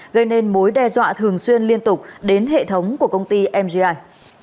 gây nên mối đe dọa thường xuyên liên tục đến hệ thống của công ty mgi